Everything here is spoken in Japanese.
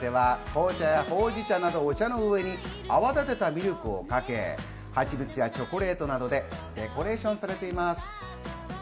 こちらのティーラテは、紅茶やほうじ茶など、お茶の上に泡立てたミルクをかけ、はちみつやチョコレートなどでデコレーションされています。